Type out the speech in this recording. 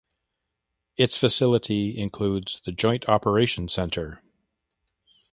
Its facility includes the Joint Operation Centre.